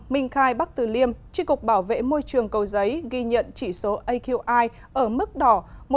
minh khai bắc từ liêm tri cục bảo vệ môi trường cầu giấy ghi nhận chỉ số aqi ở mức đỏ một trăm năm mươi ba một trăm sáu mươi một